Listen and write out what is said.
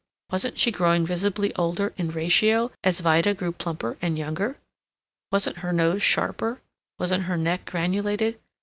Wasn't she growing visibly older in ratio as Vida grew plumper and younger? Wasn't her nose sharper? Wasn't her neck granulated?